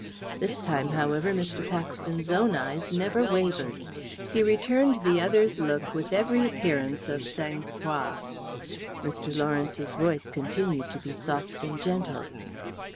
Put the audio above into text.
This time, however, Mr. Paxton's own eyes never wavered. He returned the other's look with every appearance of sang froid. Mr. Lawrence's voice continued to be soft and gentle.